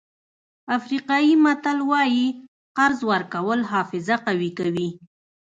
افریقایي متل وایي قرض ورکول حافظه قوي کوي.